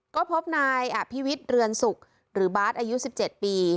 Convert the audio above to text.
ก็พบนายอภิวิตเรือนสุขหรือบาดอายุสิบเจ็ดปี